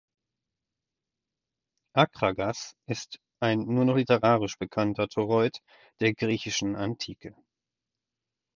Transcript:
Akragas ist ein nur noch literarisch bekannter Toreut der griechischen Antike.